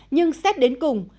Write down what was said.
nhưng xét đến cùng